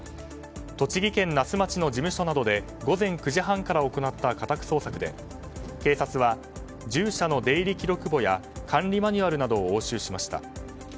栃木県那須町の事務所などで午前９時半から行った家宅捜索で警察は獣舎の出入り記録簿や管理マニュアルなどを押収しました。